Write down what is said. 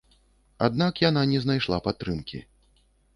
Аднак яна не знайшла падтрымкі.